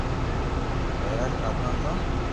پآزا کاڌو تو